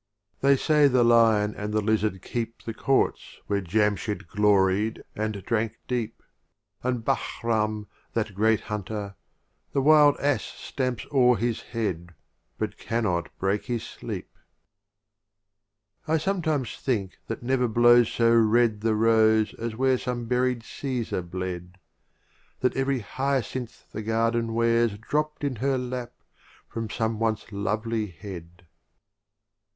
They say the Lion and the Lizard R*M'iy*t ■\ J of Omar kee P Khayyi The Courts where Jamshyd gloried and drank deep: And Bahram, that great Hunter — the Wild Ass Stamps o'er his Head, but cannot break his Sleep. XIX. I sometimes think that never blows so red The Rose as where some buried Caesar bled; That every Hyacinth the Garden wears Dropt in her Lap from some once lovely Head.